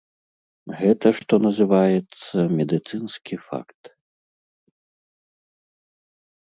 Гэта, што называецца, медыцынскі факт.